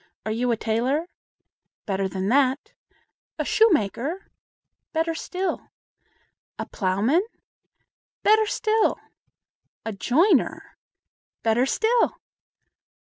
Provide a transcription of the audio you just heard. Are you a tailor?" "Better than that." "A shoemaker?" "Better still!" "A plowman?" "Better still!" "A joiner?" "Better still!"